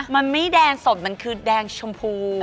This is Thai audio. มันไม่แดงสดมันคือแดงชมพู